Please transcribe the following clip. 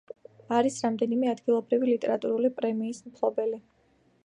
არის რამდენიმე ადგილობრივი ლიტერატურული პრემიის მფლობელი.